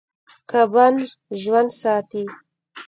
کبان ژوند ساتي.